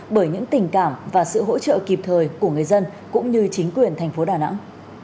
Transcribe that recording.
bởi những tình cảm và sự hỗ trợ kịp thời của người dân cũng như chính quyền thành phố đà nẵng